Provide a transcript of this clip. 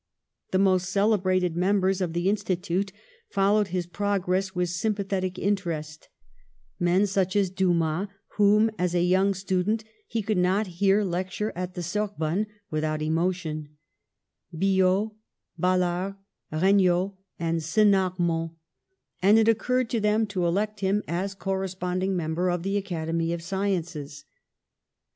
The most celebrated mem bers of the Institute followed his progress with sympathetic interest, men such as Dumas, whom as a young student he could not hear lecture at the Sorbonne without emotion, Biot, Balard, Regnault, and Senarmont; and it oc curred to them to elect him as corresponding member of the Academy of Sciences.